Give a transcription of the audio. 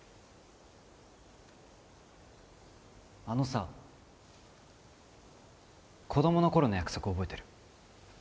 あのさ子供の頃の約束覚えてる？